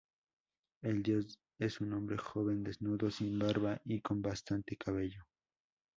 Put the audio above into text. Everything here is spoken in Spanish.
El dios es un hombre joven, desnudo, sin barba y con bastante cabello.